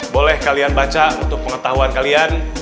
boleh kalian baca untuk pengetahuan kalian